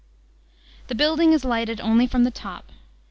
* The building is lighted only from the top.